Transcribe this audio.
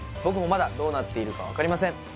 僕もまだどうなっているか分かりません